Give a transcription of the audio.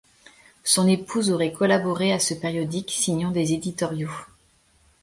Son épouse aurait collaboré à ce périodique, signant des éditoriaux.